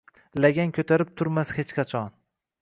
lagan koʼtarib turmas hech qachon